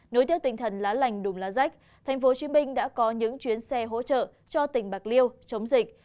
nối tiếp tinh thần lá lành đùm lá rách thành phố hồ chí minh đã có những chuyến xe hỗ trợ cho tỉnh bạc liêu chống dịch